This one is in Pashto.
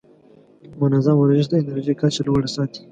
منظم ورزش د انرژۍ کچه لوړه ساتي.